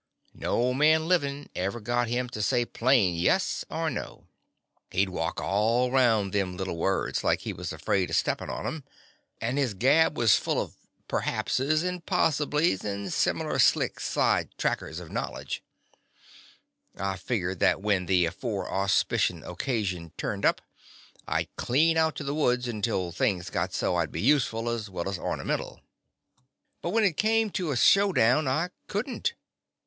No man livin' ever got him to say plain yes or no. He 'd walk all 'round them little words, like he was afraid of steppin' on them, and his gab was full of perhapses and pos siblys, and similar slick side trackers of knowledge. The Confessions of a Daddy I had figgered that when the afore said auspicious occasion turned up I 'd clean out to the woods until things got so I 'd be useful as well as ornamental; but when it come to a show down, I could n't.